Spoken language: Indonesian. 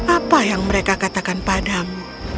apa yang mereka katakan padamu